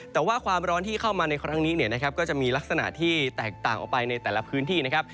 แต่ว่าความร้อนที่เข้ามาในครั้งนี้เนี่ยนะครับก็จะมีลักษณะที่แตกต่างออกไปในแต่ละพื้นที่นะครับ